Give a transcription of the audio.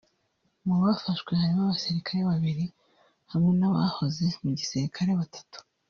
Mu bafashwe harimo abasirikare babiri hamwe n’abahoze mu gisirikare batatu